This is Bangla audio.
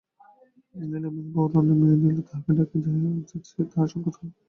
লীলা, মেজ বৌ-রানীর মেয়ে লীলা তাহাকে ডাকিয়া যাচিয়া তাহার সঙ্গে কথা কহিতেছে!